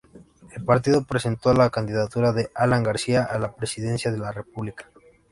El Partido presentó la candidatura de Alan García a la presidencia de la República.